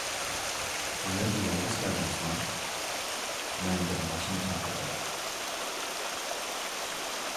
بۇ يەرگە يالغۇز كەلدىڭىزما؟ -مەن بىر ماشىنا چاقىردىم.